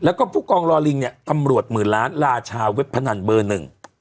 แล้วก็ผู้กองรอลิงเนี่ยตำรวจหมื่นล้านราชาเว็บพนันเบอร์หนึ่ง